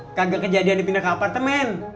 gak ada kejadian dipindah ke apartemen